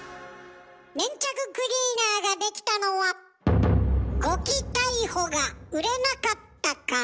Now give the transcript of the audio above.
粘着クリーナーができたのは「ゴキ逮捕！」が売れなかったから。